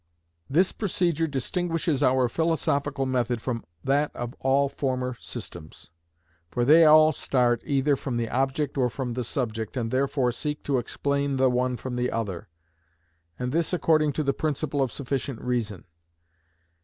This procedure distinguishes our philosophical method from that of all former systems. For they all start either from the object or from the subject, and therefore seek to explain the one from the other, and this according to the principle of sufficient reason.